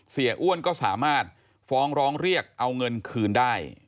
อ้วนก็สามารถฟ้องร้องเรียกเอาเงินคืนได้